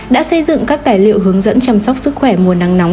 đã xây dựng các tài liệu hướng dẫn chăm sóc sức khỏe mùa nắng nóng